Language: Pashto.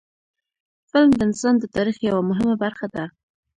فلم د انسان د تاریخ یوه مهمه برخه ده